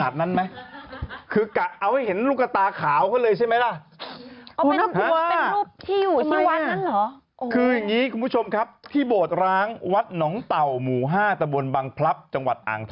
อันนี้คือภาพที่ไหนนะอะไรอ่ะ